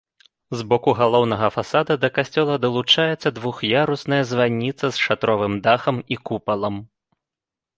З боку галоўнага фасада да касцёла далучаецца двух'ярусная званіца з шатровым дахам і купалам.